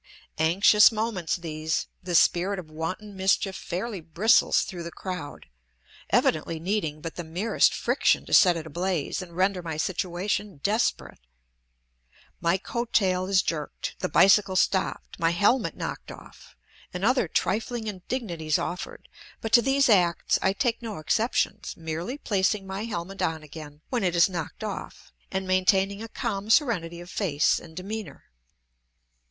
Anxious moments these; the spirit of wanton mischief fairly bristles through the crowd, evidently needing but the merest friction to set it ablaze and render my situation desperate. My coat tail is jerked, the bicycle stopped, my helmet knocked off, and other trifling indignities offered; but to these acts I take no exceptions, merely placing my helmet on again when it is knocked off, and maintaining a calm serenity of face and demeanor.